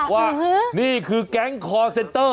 ว่านี่คือแก๊งคอร์เซนเตอร์